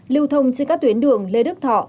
lưu thông trên các tuyến đường lê đức thọ